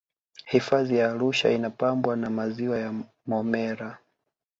hifadhi ya arusha inapambwa na maziwa ya momella